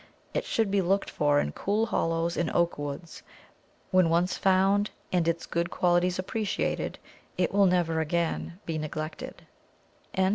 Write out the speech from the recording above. It should be looked for in cool hollows in oak woods; when once found and its good qualities appreciated, it will never again be neglected.